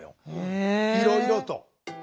いろいろと。